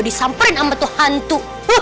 disamperin sama tuh hantu